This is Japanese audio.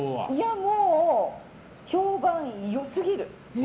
もう、評判良すぎる。